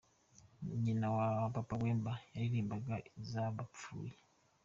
Nyina wa Papa Wemba yaririmbaga iz’abapfuye.